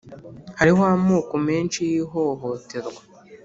hariho amoko menshi y’ihohoterwa,